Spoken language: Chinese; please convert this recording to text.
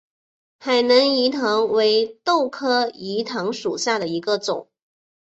海南鱼藤为豆科鱼藤属下的一个种。